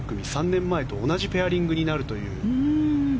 ３年前と同じペアリングになるという。